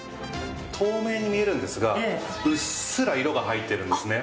透明に見えるんですがうっすら色が入ってるんですね。